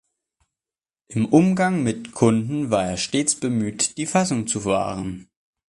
Im Umgang mit Kunden war er stets bemüht, die Fassung zu wahren.